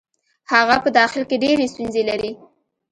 هغه په داخل کې ډېرې ستونزې لري.